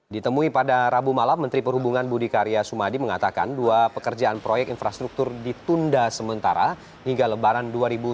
ditemui pada rabu malam menteri perhubungan budi karya sumadi mengatakan dua pekerjaan proyek infrastruktur ditunda sementara hingga lebaran dua ribu dua puluh